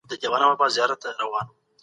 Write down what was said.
د ژوند حق نه اخیستل کېدونکی حق دی.